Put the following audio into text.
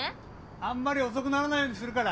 あんまり遅くならないようにするから。